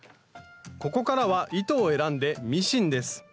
ここからは糸を選んでミシンです。